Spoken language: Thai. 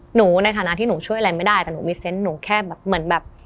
ในฐานะที่หนูช่วยอะไรไม่ได้แต่หนูมีเซนต์หนูแค่แบบเหมือนแบบ